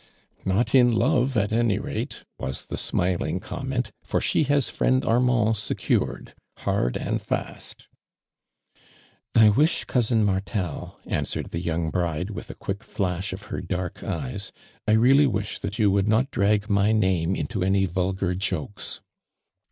" Not in love at any l ate," was the smiling comment, "for she has friend Armand secured, hard and fast I" "I wish, cousin Mtlrtel," answered the young bride, with a auick flash of her dark eyes, " I really wish tliat you would not drag my name into any vulgar jokes."